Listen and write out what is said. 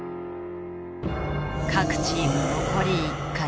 各チーム残り１回。